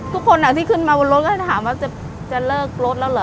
ทุกคนที่ขึ้นมาบนรถก็จะถามว่าจะเลิกรถแล้วเหรอ